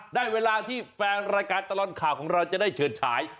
ได้เวลาที่แฟนรายการตลอดข่าวของเราจะได้เฉิดฉาย